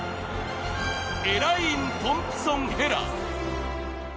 エライン・トンプソン・ヘラ。